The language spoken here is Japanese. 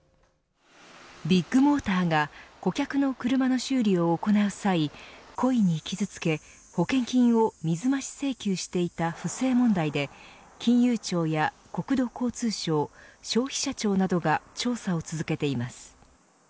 ビッグモーターが顧客の車の修理を行う際故意に傷つけ保険金を水増し請求していた不正問題で金融庁や国土交通省消費者庁などが調査を続けています。